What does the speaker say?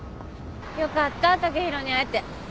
よかった剛洋に会えて。